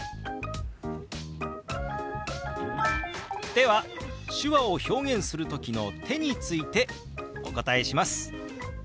では手話を表現する時の「手」についてお答えします。